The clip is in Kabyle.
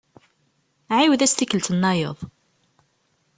Ɛiwed-as tikkelt-nnayeḍ.